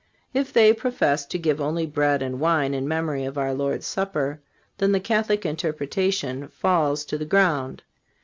If they professed to give only bread and wine in memory of our Lord's Supper, then the Catholic interpretation falls to the ground.